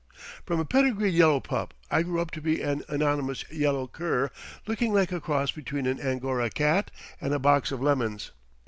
From a pedigreed yellow pup I grew up to be an anonymous yellow cur looking like a cross between an Angora cat and a box of lemons.